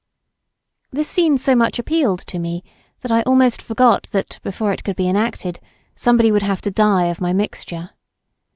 This scene so much appealed to me that I almost forgot that before it could be enacted somebody would have to die of my mixture.